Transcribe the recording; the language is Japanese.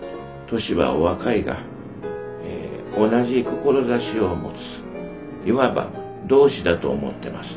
年はお若いが同じ志を持ついわば同志だと思ってます」。